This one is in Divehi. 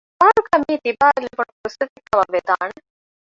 ފަހަރުގައި މިއީ ތިބާއަށް ލިބުނު ފުރުޞަތުކަމަށްވެސް ވެދާނެ